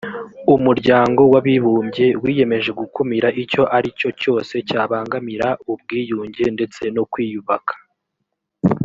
umuryango w abibumbye wiyemeje gukumira icyo ari cyo cyose cyabangamira ubwiyunge ndetse no kwiyubaka